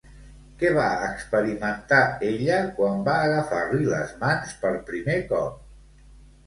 Què va experimentar ella quan va agafar-li les mans per primer cop?